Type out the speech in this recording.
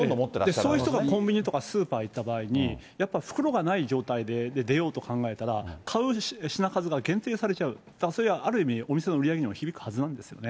そういう人がコンビニとかスーパーに行った場合に、やっぱり袋がない状態で出ようと考えたら、買う品数が限定されちゃう、だからある意味、それがお店の売り上げにも響くはずなんですよね。